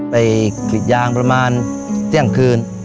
ไปกรีดยางประมาณเต้ียงคืน